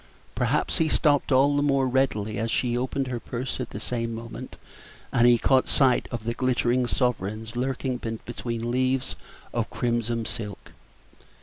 Perhaps he stopped all the more readily as she opened her purse at the same moment, and he caught sight of the glittering sovereigns lurking between leaves of crimson silk.